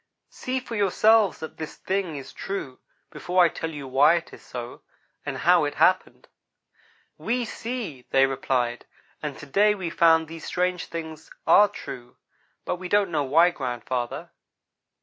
"See for yourselves that this thing is true, before I tell you why it is so, and how it happened." "We see," they replied, "and to day we found that these strange things are true, but we don't know why, grandfather."